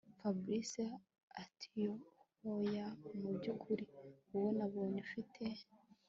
Fabic atihoya mubyukuri wowe nabonye ufite